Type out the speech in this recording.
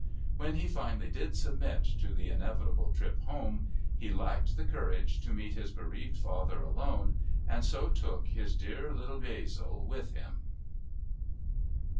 When he finally did submit to the inevitable trip home he lacked the courage to meet his bereaved father alone and so took his "dear little Bäsle" with him.